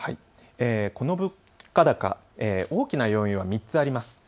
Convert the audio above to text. この物価高、大きな要因は３つあります。